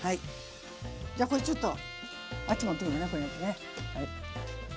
じゃこれちょっとあっち持ってこうやってね。